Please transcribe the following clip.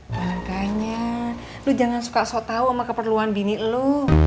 makanya lo jangan suka sok tau sama keperluan bini lo